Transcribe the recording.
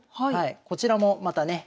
こちらもまたね